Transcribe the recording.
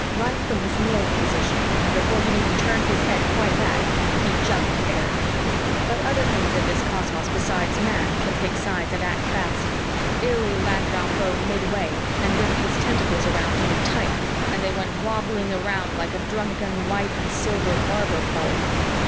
Right from his kneeling position and before he'd even turned his head quite back, he jumped Erich. But other things in this cosmos besides Man can pick sides and act fast. Illy landed on Beau midway and whipped his tentacles around him tight and they went wobbling around like a drunken white and silver barber pole.